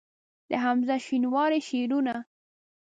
د حمزه شینواري شعرونه